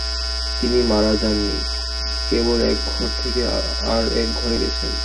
তিনি মারা যাননি, কেবল এক ঘর থেকে আর এক ঘরে গেছেন।